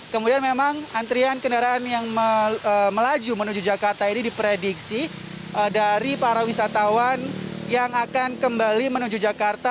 kemudian memang antrian kendaraan yang melaju menuju jakarta ini diprediksi dari para wisatawan yang akan kembali menuju jakarta